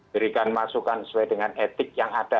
berikan masukan sesuai dengan etik yang ada